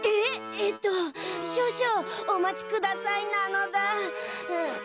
えっとしょうしょうおまちくださいなのだ。